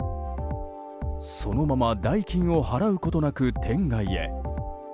そのまま代金を払うことなく店外へ。